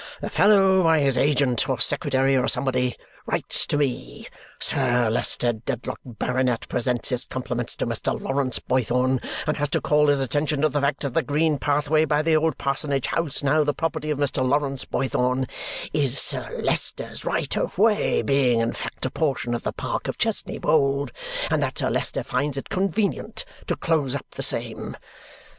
The fellow, by his agent, or secretary, or somebody, writes to me 'Sir Leicester Dedlock, Baronet, presents his compliments to Mr. Lawrence Boythorn, and has to call his attention to the fact that the green pathway by the old parsonage house, now the property of Mr. Lawrence Boythorn, is Sir Leicester's right of way, being in fact a portion of the park of Chesney Wold, and that Sir Leicester finds it convenient to close up the same.'